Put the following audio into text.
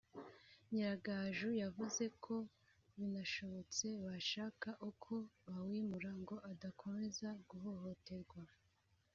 Nyiragaju yavuze ko binashobotse bashaka uko bawimura ngo udakomeza guhohoterwa